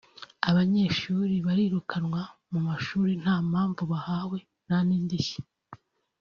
Abanyeshuli barirukanwa mu mashuli nta mpamvu bahawe nta n’indishyi